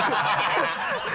ハハハ